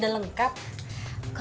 apakah ini eh